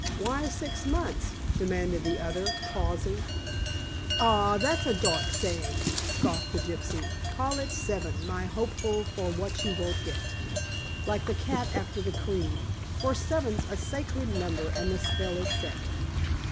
"Why six months?" demanded the other, pausing. "Ah, that's a dark saying," scoffed the gypsy. "Call it seven, my hopeful for what you won't get, like the cat after the cream, for seven's a sacred number, and the spell is set."